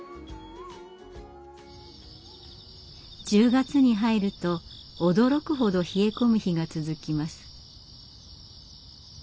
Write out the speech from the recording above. １０月に入ると驚くほど冷え込む日が続きます。